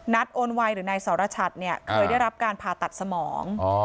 โอนไวหรือนายสรชัดเนี่ยเคยได้รับการผ่าตัดสมอง